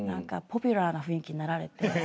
「ポピュラーな雰囲気になられて」